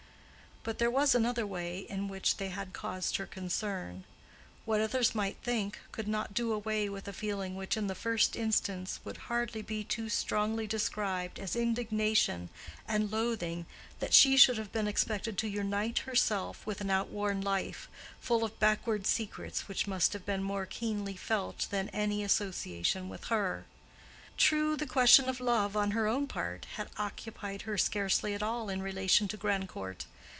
But there was another way in which they had caused her concern. What others might think could not do away with a feeling which in the first instance would hardly be too strongly described as indignation and loathing that she should have been expected to unite herself with an outworn life, full of backward secrets which must have been more keenly felt than any association with her. True, the question of love on her own part had occupied her scarcely at all in relation to Grandcourt.